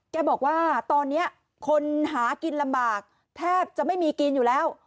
แกบอกว่าตอนนี้คนหากินลำบากแทบจะไม่มีกินอยู่แล้ว